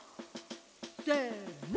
せの！